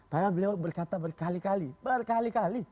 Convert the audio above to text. karena beliau berkata berkali kali berkali kali